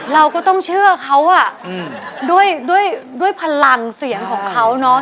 เราก็ต้องเชื่อเขาอ่ะด้วยพลังเสียงของเขาเนอะ